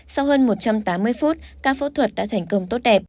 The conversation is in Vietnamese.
sau hơn một trăm tám mươi phút ca phẫu thuật đã thành công tốt đẹp